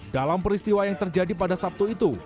dalam peristiwa yang terjadi pada sabtu itu